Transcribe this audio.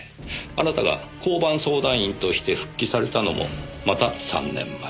あなたが交番相談員として復帰されたのもまた３年前。